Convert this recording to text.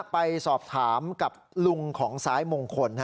ไปสอบถามกับลุงของซ้ายมงคล